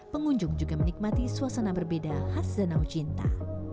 pengunjung juga menikmati suasana berbeda khas danau cinta